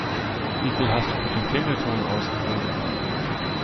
Wie viel hast du für den Klingelton ausgegeben?